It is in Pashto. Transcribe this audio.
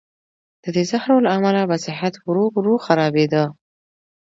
د دې زهرو له امله به صحت ورو ورو خرابېده.